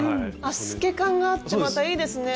透け感があってまたいいですね。